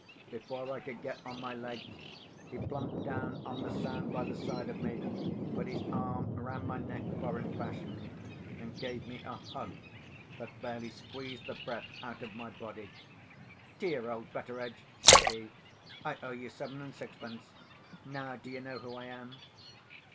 Before I could get on my legs, he plumped down on the sand by the side of me, put his arm round my neck, foreign fashion, and gave me a hug that fairly squeezed the breath out of my body. "Dear old Betteredge!" says he. "I owe you seven and sixpence. Now do you know who I am?"